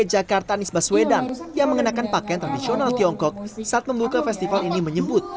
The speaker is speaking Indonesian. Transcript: jakarta nisbah swedan yang mengenakan pakaian tradisional tiongkok saat membuka festival ini menyebut